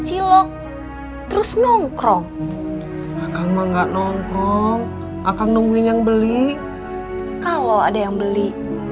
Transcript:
cilok terus nongkrong akan mangga nongkrong akan nungguin yang beli kalau ada yang beli